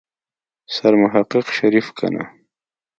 سرمحقق شريف کنه.